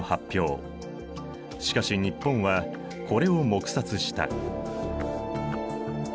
しかし日本はこれを黙殺した。